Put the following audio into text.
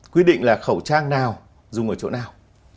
quy định là khẩu trang nào dùng ở chỗ nào